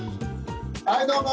はいどうも！